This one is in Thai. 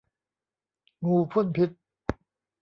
งูพ่นพิษ